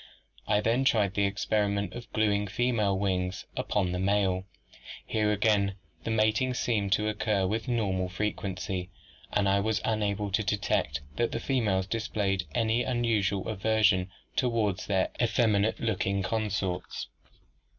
"'I then tried the experiment of gluing female wings upon the male. Here again the mating seemed to occur with normal frequency, and I was unable to detect that the females displayed any unusual aversion toward their effeminate looking consorts.